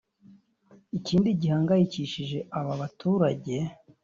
Ikindi gihangayikihishije aba baturage